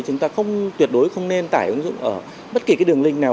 chúng ta không tuyệt đối không nên tải ứng dụng ở bất kỳ cái đường link nào